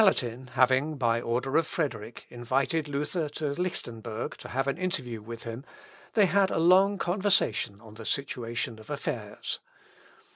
Spalatin having, by order of Frederick, invited Luther to Lichtenberg to have an interview with him, they had a long conversation on the situation of affairs.